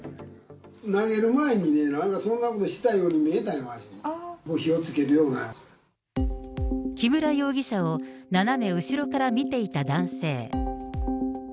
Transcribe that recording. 投げる前にそんなようなことしてたように見えた、火をつける木村容疑者を斜め後ろから見ていた男性。